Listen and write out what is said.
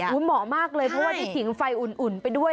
เหมาะมากเลยเพราะว่าได้ผิงไฟอุ่นไปด้วย